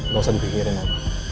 gak usah dipikirin om